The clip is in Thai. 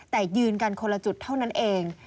แต่ยืนกันคนละจุดเท่านั้นเอง